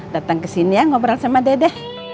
datang kesini ya ngobrol sama dede